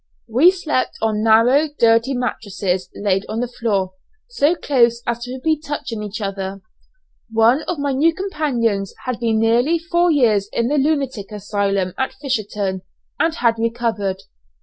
We slept on narrow dirty mattresses, laid on the floor, so close as to be touching each other. One of my new companions had been nearly four years in the lunatic asylum at Fisherton, and had recovered.